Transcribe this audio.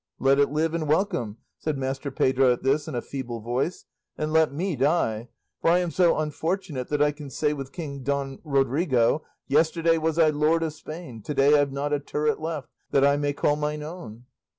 "Let it live, and welcome," said Master Pedro at this in a feeble voice, "and let me die, for I am so unfortunate that I can say with King Don Rodrigo Yesterday was I lord of Spain To day I've not a turret left That I may call mine own.